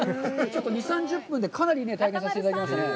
２０３０分でかなり体験させていただきましたね。